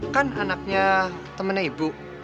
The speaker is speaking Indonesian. kan anaknya temennya ibu